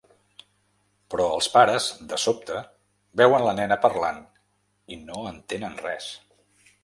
Però els pares, de sobte, veuen la nena parlant i no entenen res.